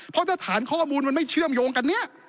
เพราะถ้าฐานข้อมูลมันไม่เชื่อมโยงกันเนี่ย